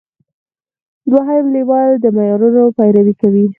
دوهم لیول د معیارونو پیروي کوي.